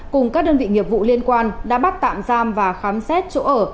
cùng các đơn vị nghiệp vụ liên quan đã bắt tạm giam và khám xét chỗ ở